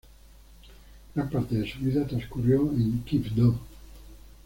Gran parte de su vida transcurrió en Quibdó.